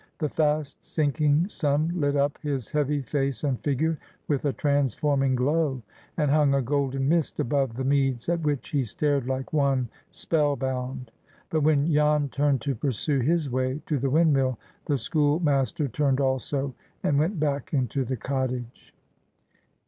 The fast sinking sun lit up his heavy face and figure with a transforming glow, and hung a golden mist above the meads, at which he stared like one spellbound. But when Jan turned to pursue his way to the windmill, the schoolmaster turned also, and went back into the cottage.